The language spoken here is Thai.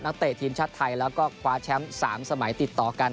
เตะทีมชาติไทยแล้วก็คว้าแชมป์๓สมัยติดต่อกัน